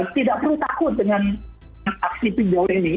tidak perlu takut dengan aksi pinjol ini